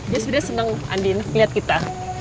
dia sebenernya seneng andin ngeliat kita